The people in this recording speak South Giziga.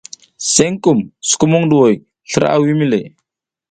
Senkum sukumɗuhoy slra a wimi le.